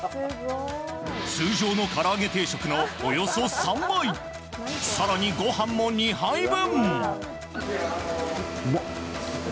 通常のから揚げ定食のおよそ３倍更にご飯も２杯分。